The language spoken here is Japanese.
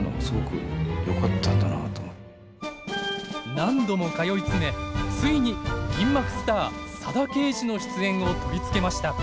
何度も通い詰めついに銀幕スター佐田啓二の出演を取り付けました。